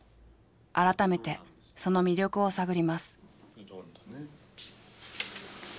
改めてその魅力を探ります。